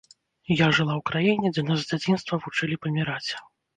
Я жыла ў краіне, дзе нас з дзяцінства вучылі паміраць.